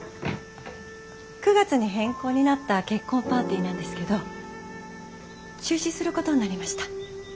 ９月に変更になった結婚パーティーなんですけど中止することになりました。